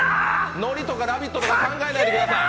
ノリとか「ラヴィット！」とか考えないでください。